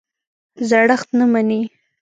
زړښت نه مني.